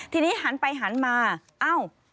ทีนี้หันไปหันมาเอ้า